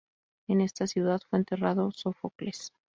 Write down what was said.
En esta ciudad fue enterrado Sófocles.